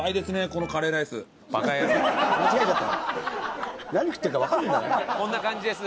こんな感じです